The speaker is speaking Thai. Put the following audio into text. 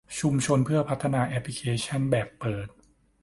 ชุมชนเพื่อพัฒนาแอพลิเคชั่นแบบเปิด